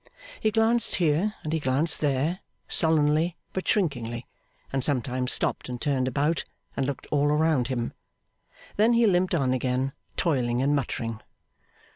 He glanced here, and he glanced there, sullenly but shrinkingly; and sometimes stopped and turned about, and looked all round him. Then he limped on again, toiling and muttering.